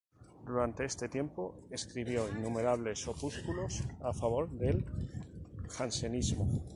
Durante este tiempo escribió innumerables opúsculos a favor del jansenismo.